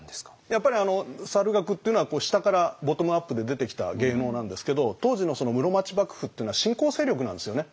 やっぱり猿楽っていうのは下からボトムアップで出てきた芸能なんですけど当時の室町幕府っていうのは新興勢力なんですよね。